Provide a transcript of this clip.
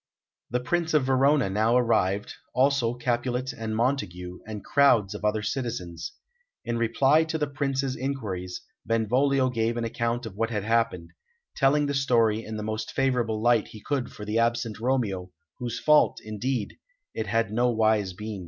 The Prince of Verona now arrived, also Capulet and Montague, and crowds of other citizens. In reply to the Prince's inquiries, Benvolio gave an account of what had happened, telling the story in the most favourable light he could for the absent Romeo, whose fault, indeed, it had no wise been.